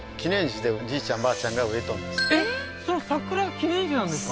えっその桜記念樹なんですか？